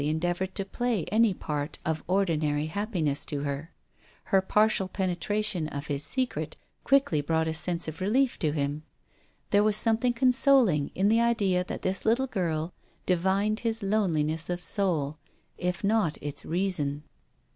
endeavoured to play any part of ordinary happi ness to her. Her partial penetration of his secret quickly brought a sense of relief to him. There was something consoling in the idea that this little girl divined his loneliness of soul, if not its reason.